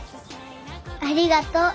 ありがとう。